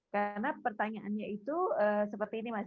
karena pertanyaannya itu seperti ini mas